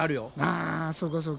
あそうかそうか。